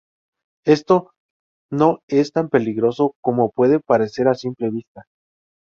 Esto no es tan peligroso como puede parecer a simple vista.